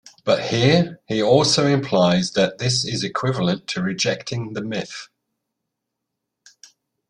But here he also implies that this is equivalent to rejecting the myth.